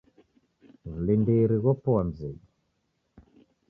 Wulindiri ghopoa mzedu